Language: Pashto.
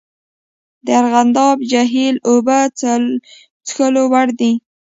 د ارغنداب جهیل اوبه څښلو وړ دي؟